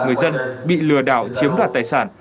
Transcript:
người dân bị lừa đảo chiếm đoạt tài sản